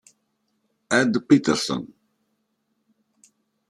Ed Peterson